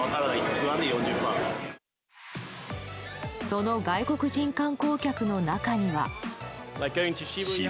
その外国人観光客の中には。